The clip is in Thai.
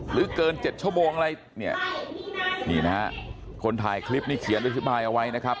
เกินเจ็ดชั่วโมงอะไรเนี่ยนี่นะฮะคนถ่ายคลิปนี่เขียนอธิบายเอาไว้นะครับ